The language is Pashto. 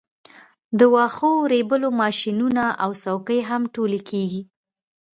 د واښو ریبلو ماشینونه او څوکۍ هم ټولې کیږي